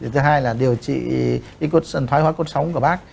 thứ hai là điều trị thái hóa cốt sống của bác